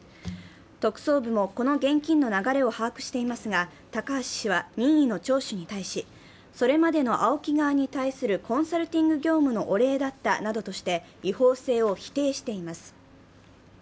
特捜部もこの現金の流れを把握していますが高橋氏は任意の聴取に対しそれまでのＡＯＫＩ側に対するコンサルティング業務のお礼だったなどとして違法性を否定しています。